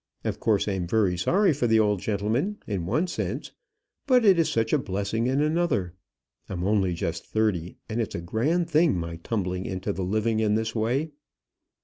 Of course I am very sorry for the old gentleman in one sense; but it is such a blessing in another. I'm only just thirty, and it's a grand thing my tumbling into the living in this way."